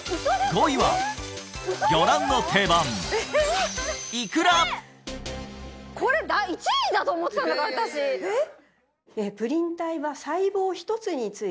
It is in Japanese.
５位は魚卵の定番これ１位だと思ってた私えっ？